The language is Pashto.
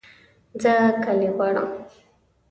زه کالي غواړم